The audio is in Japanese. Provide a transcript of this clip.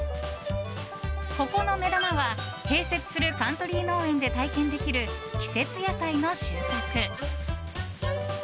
ここの目玉は併設するカントリー農園で体験できる、季節野菜の収穫。